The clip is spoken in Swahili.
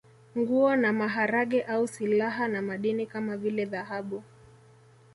Nguo na maharage au silaha na madini kama vile dhahabu